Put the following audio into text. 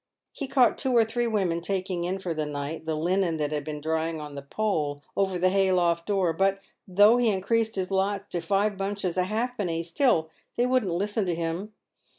He caught two or three women taking in for the night the linen that had been drying on the pole over the hay loft door, but, though he increased his lots to five bunches a halfpenny, still they wouldn't listen to him.